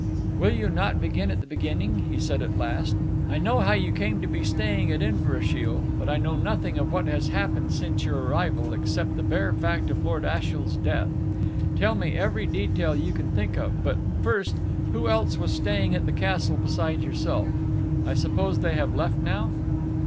"Will you not begin at the beginning?" he said at last. "I know how you came to be staying at Inverashiel, but I know nothing of what has happened since your arrival, except the bare fact of Lord Ashiel's death. Tell me every detail you can think of, but, first, who else was staying at the castle besides yourself? I suppose they have left now?"